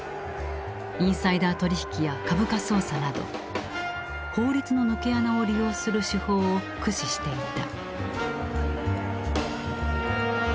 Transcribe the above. インサイダー取引や株価操作など法律の抜け穴を利用する手法を駆使していた。